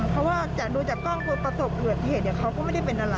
เพราะว่าดูจากกล้องประสบเหลือที่เห็นเขาก็ไม่ได้เป็นอะไร